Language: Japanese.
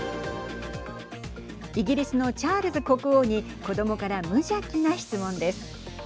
イギリスのチャールズ国王に子どもから無邪気な質問です。